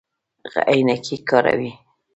عینکې کاروئ؟